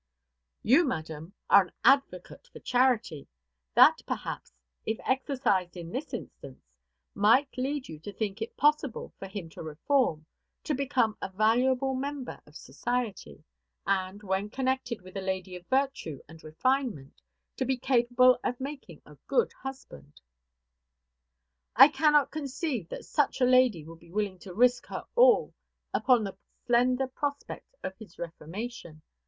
"You, madam, are an advocate for charity; that, perhaps, if exercised in this instance, might lead you to think it possible for him to reform, to become a valuable member of society, and, when connected with a lady of virtue and refinement, to be capable of making a good husband." "I cannot conceive that such a lady would be willing to risk her all upon the slender prospect of his reformation.